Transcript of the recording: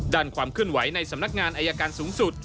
ดันความขึ้นไหวในสำนักงานไอยการสูงสุด